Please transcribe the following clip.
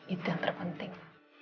itu yang terpenting